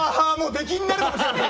出禁になるかもしれない。